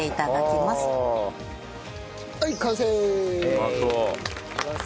うまそう！